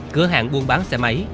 cửa hàng buôn bán xe máy